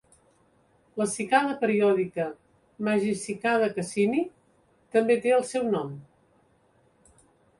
La cicada periòdica "Magicicada cassini" també té el seu nom.